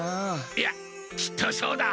いやきっとそうだ！